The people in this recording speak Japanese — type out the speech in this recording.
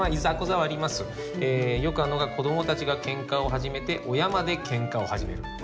よくあるのが子どもたちがケンカを始めて親までケンカを始める。